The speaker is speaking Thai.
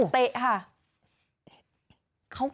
เตะค่ะ